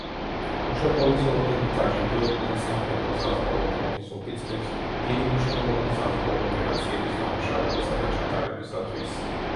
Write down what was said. უშაკოვის ორდენით აჯილდოებდნენ სამხედრო-საზღვაო ფლოტის ოფიცრებს დიდმნიშვნელოვანი საზღვაო ოპერაციების დამუშავებისა და ჩატარებისათვის.